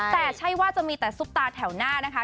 แต่ใช่ว่าจะมีแต่ซุปตาแถวหน้านะคะ